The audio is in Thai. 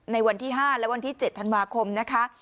ในวันที่๕และวันที่๗ธันวาคมนะคะ